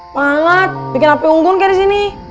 banget bikin api unggun kayak disini